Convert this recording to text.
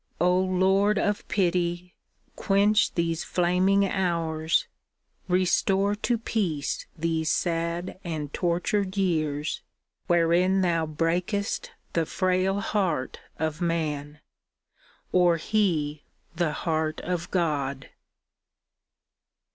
Oh, Lord of pity, quench these flaming hours. Restore to peace these sad and tortured years Wherein Thou breakest the frail heart of man — Or he the heart of God.